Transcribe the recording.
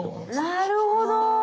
なるほど。